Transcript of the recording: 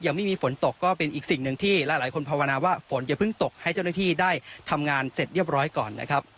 ยังไม่มีฝนตกก็เป็นอีกสิ่งหนึ่งที่หลายคนภาวนาว่าฝนอย่าเพิ่งตกให้เจ้าหน้าที่ได้ทำงานเสร็จเรียบร้อยก่อนนะครับ